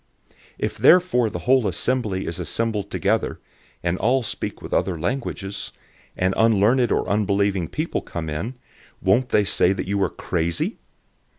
014:023 If therefore the whole assembly is assembled together and all speak with other languages, and unlearned or unbelieving people come in, won't they say that you are crazy?